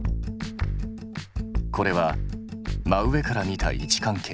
これは真上から見た位置関係。